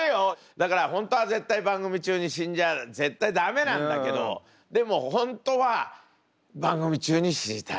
だから本当は絶対番組中に死んじゃあ絶対駄目なんだけどでも本当は番組中に死にたい。